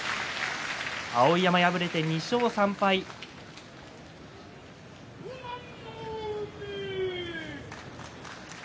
碧山、敗れて２勝３敗です。